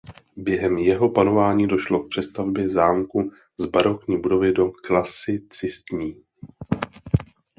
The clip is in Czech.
Během jeho panování došlo k přestavbě zámku z barokní budovy do klasicistní.